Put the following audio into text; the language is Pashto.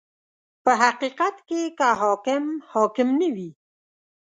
• په حقیقت کې که حاکم حاکم نه وي.